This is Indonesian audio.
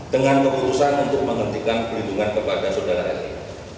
dengan keputusan untuk menghentikan pelindungan kepada saudara r i